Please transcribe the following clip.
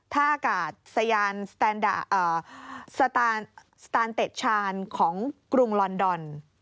ท่ากัดสยานสตาร์นเต็ดชานของกรุงลอนดอน